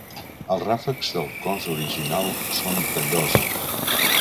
Els ràfecs del cos original són de llosa.